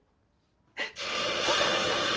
えっホンマですか！？